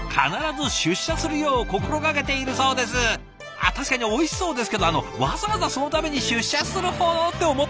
あっ確かにおいしそうですけどあのわざわざそのために出社するほど？って思ったらね